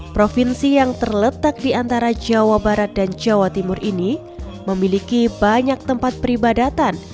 provinsi yang terletak di antara jawa barat dan jawa timur ini memiliki banyak tempat peribadatan